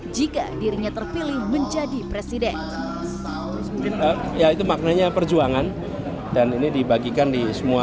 jika dirinya terpilih menjadi presiden ya itu maknanya perjuangan dan ini dibagikan di semua